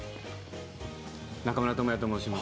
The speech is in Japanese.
中村倫也と申します。